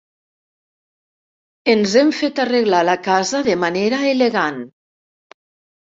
Ens hem fet arreglar la casa de manera elegant.